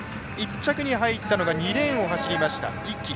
１着に入ったのが２レーンを走りました、壹岐。